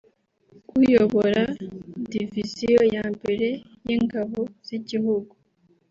uyobora Diviziyo ya Mbere y’Ingabo z’igihugu